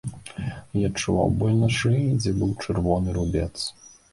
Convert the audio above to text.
І адчуваў боль на шыі, дзе быў чырвоны рубец.